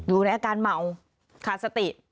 อยู่ในอาการเมาขาดสติ